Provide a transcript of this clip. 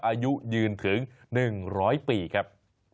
อายุยืนถึง๑๐๐ปีครับ